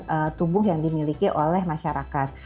kesehatan tubuh yang dimiliki oleh masyarakat